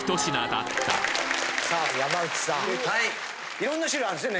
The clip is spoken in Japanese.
いろんな種類あるんですね